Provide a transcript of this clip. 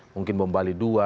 mungkin bombali dua